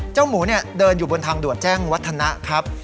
หมูเดินอยู่บนทางด่วนแจ้งวัฒนะครับ